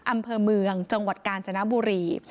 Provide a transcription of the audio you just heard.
อำเภอเมืองจังหวัดกาญจนบุรี